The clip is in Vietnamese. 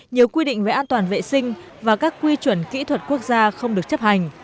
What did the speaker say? nhiều quy định về an toàn vệ sinh và các quy chuẩn kỹ thuật quốc gia không được chấp hành